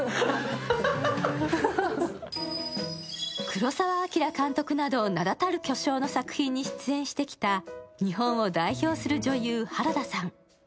黒澤明監督など名だたる巨匠の作品に出演してきた日本を代表する女優、原田さん。